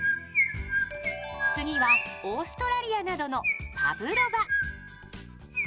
次はオーストラリアなどのパブロバ。